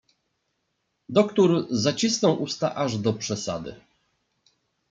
"Doktór zacisnął usta aż do przesady."